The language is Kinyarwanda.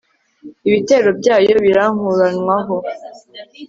ibitero byayo birankuranwaho